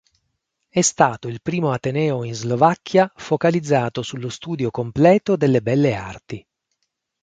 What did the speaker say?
È stato il primo ateneo in Slovacchia focalizzato sullo studio completo delle belle arti.